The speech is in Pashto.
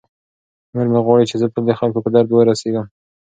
مور مې غواړي چې زه تل د خلکو په درد ورسیږم.